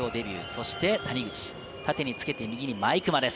そして谷口、縦につけて右に毎熊です。